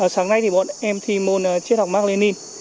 sáng nay thì bọn em thi môn triết học mạc lê ninh